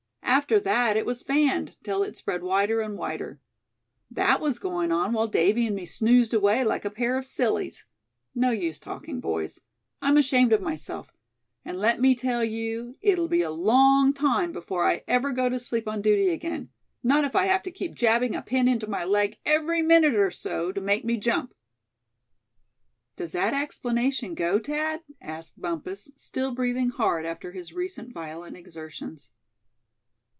After that it was fanned, till it spread wider and wider. That was going on while Davy and me snoozed away like a pair of sillies. No use talking, boys, I'm ashamed of myself; and let me tell you, it'll be a long time before I ever go to sleep on duty again not if I have to keep jabbing a pin into my leg every minute or so, to make me jump." "Does that explanation go, Thad?" asked Bumpus, still breathing hard after his recent violent exertions.